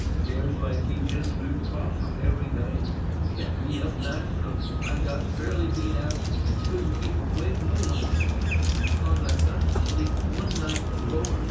'Pears like he just grew crosser every day; kep me up nights till I got fairly beat out, and couldn't keep awake no longer; and 'cause I got to sleep one night, Lors!